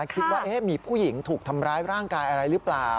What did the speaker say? คิดว่ามีผู้หญิงถูกทำร้ายร่างกายอะไรหรือเปล่า